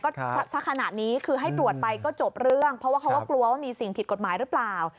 ก็สักขนาดนี้คือให้ตรวจไปก็จบเรื่องเพราะว่าเขาก็กลัวว่ามีสิ่งผิดกฎหมายหรือเปล่า